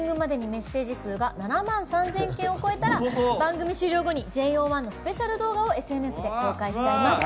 メッセージ数が７万３，０００件を超えたら番組終了後にＪＯ１のスペシャル動画をＳＮＳで公開しちゃいます。